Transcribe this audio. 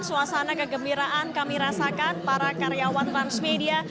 suasana kegembiraan kami rasakan para karyawan transmedia